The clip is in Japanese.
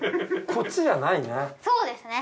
こっちじゃないね。